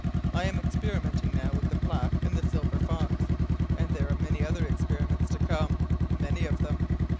I am experimenting now with the black and the silver fox. And there are many other experiments to come, many of them.